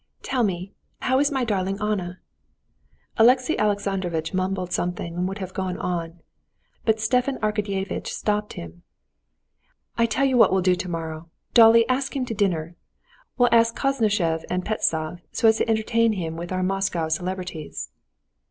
"Tell me, how is my darling Anna?" Alexey Alexandrovitch mumbled something and would have gone on. But Stepan Arkadyevitch stopped him. "I tell you what we'll do tomorrow. Dolly, ask him to dinner. We'll ask Koznishev and Pestsov, so as to entertain him with our Moscow celebrities."